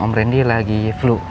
om brandi lagi flu